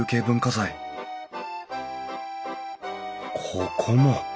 ここも。